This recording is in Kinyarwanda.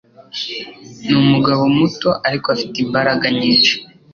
Ni umugabo muto ariko afite imbaraga nyinshi.